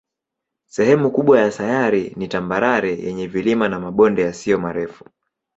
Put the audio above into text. Sehemu kubwa ya sayari ni tambarare yenye vilima na mabonde yasiyo marefu.